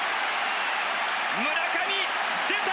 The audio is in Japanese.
村上出た！